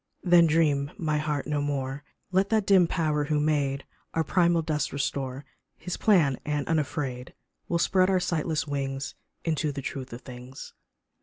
Then dream, my heart, no more Let that dim Power who made Our primal dust restore His plan, and unafraid We'll spread our sightless wings Into the truth of things.